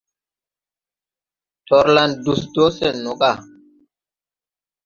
Torlan dus do sen no ga.